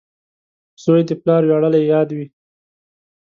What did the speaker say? • زوی د پلار ویاړلی یاد وي.